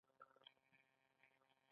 د ځیګر د غوړ لپاره د څه شي عرق وڅښم؟